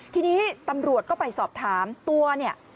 ทีนี้ตำรวจก็ไปสอบถามตัวเนี่ย